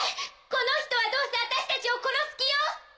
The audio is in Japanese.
この人はどうせ私たちを殺す気よ！